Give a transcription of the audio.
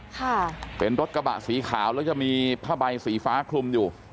ค่ะเป็นรถกระบะสีขาวแล้วจะมีผ้าใบสีฟ้าคลุมอยู่